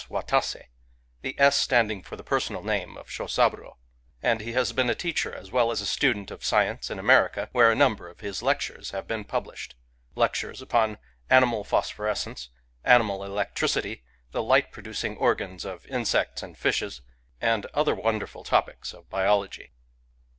Watase" (the "S" standing for the per sonal name Shozaburo) ; and he has been a teacher as well as a student of science in America, where a number of his lectures have been published,^ — lectures upon animal phosphorescence, animal elec tricity, the light producing organs of insects and fishes, and other wonderful topics of biology.